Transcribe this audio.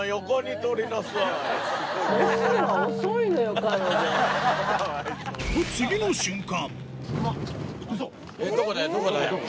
と、次の瞬間。